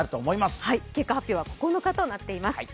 結果発表は９日となっています。